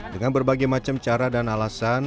dengan berbagai macam cara dan alasan